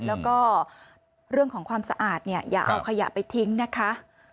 แล้วก็เรื่องของความสะอาดเนี่ยอย่าเอาขยะไปทิ้งนะคะ